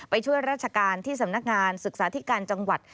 ไปช่วยราชการที่สำนักงานศึกษาธิการจังหวัด